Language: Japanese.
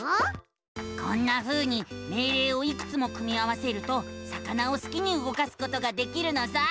こんなふうに命令をいくつも組み合わせると魚をすきに動かすことができるのさ！